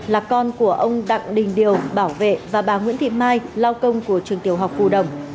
là con của ông đặng đình điều bảo vệ và bà nguyễn thị mai lao công của trường tiểu học phù đồng